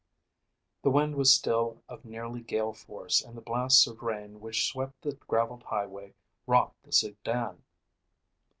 The wind was still of nearly gale force and the blasts of rain which swept the graveled highway rocked the sedan.